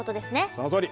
そのとおり。